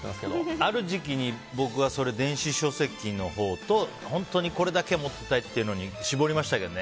ある時期に僕はそれ電子書籍のほうと本当にこれだけは持っていたいっていうのに絞りましたけどね。